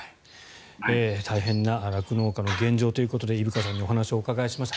大変な酪農家の現状ということで伊深さんにお話をお伺いしました。